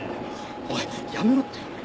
おいやめろって。